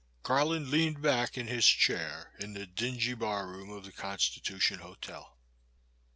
GARLAND leaned back in his chair in the dingy bar room of the Constitution Hotel.